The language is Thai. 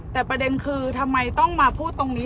แต่ประเด็นคือทำไมต้องมาพูดตรงนี้